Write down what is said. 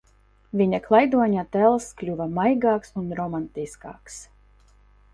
Viņa Klaidoņa tēls kļuva maigāks un romantiskāks.